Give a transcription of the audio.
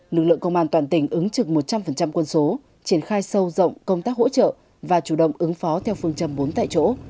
lực lượng công an toàn tỉnh ứng trực một trăm linh quân số triển khai sâu rộng công tác hỗ trợ và chủ động ứng phó theo phương châm bốn tại chỗ